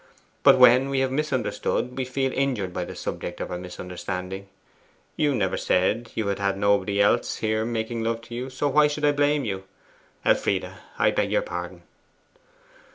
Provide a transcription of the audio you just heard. But when we have misunderstood, we feel injured by the subject of our misunderstanding. You never said you had had nobody else here making love to you, so why should I blame you? Elfride, I beg your pardon.